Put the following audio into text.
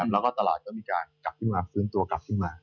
แล้วก็ตลาดก็มีการกลับขึ้นมา